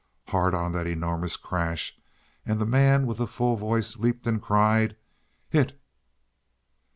Hard on that an enormous crash, and the man with the full voice leapt and cried, "Hit!"